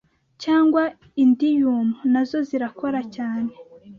cyangwa indium nazo zirakora cyane